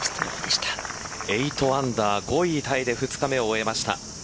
８アンダー、５位タイで２日目を終えました。